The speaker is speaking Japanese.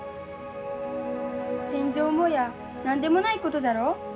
戦場を思やあ何でもないことじゃろう。